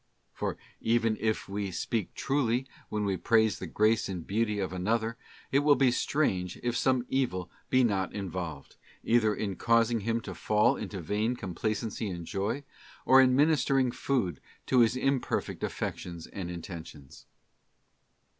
'* For, even if we speak truly when we praise the grace and beauty of another, it will be strange if some evil be not involved, either in causing him to fall into vain complacency and joy, or in ministering food to his imperfect affections and intentions.